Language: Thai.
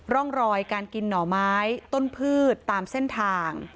ร่องรอยการกินหน่อไม้ต้นพืชตามเส้นทาง